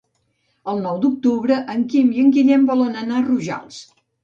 El nou d'octubre en Quim i en Guillem volen anar a Rojals.